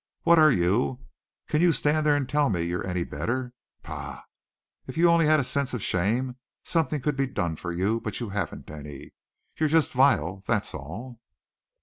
What are you? Can you stand there and tell me you're any better? Pah! If you only had a sense of shame something could be done for you, but you haven't any. You're just vile, that's all."